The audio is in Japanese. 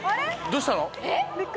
どうしたの？え？